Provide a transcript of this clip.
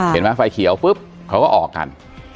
เห็นไหมไฟเขียวปุ๊บเขาก็ออกกัน